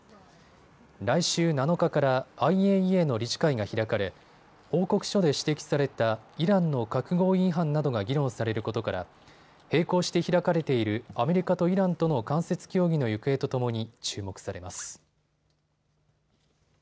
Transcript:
来週７日からＩＡＥＡの理事会が開かれ報告書で指摘されたイランの核合意違反などが議論されることから並行して開かれているアメリカとイランとの間接協議の行方とともに注目されます。